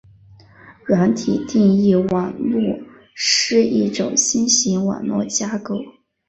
软体定义网路是一种新型网络架构。